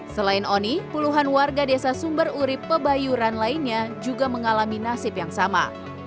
selain oni puluhan warga desa sumber urib pebayuran lainnya juga mengalami nasib yang sama